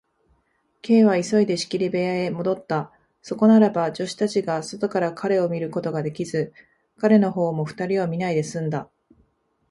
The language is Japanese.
Ｋ は急いで仕切り部屋へもどった。そこならば、助手たちが外から彼を見ることができず、彼のほうも二人を見ないですんだ。